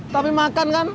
tapi makan kan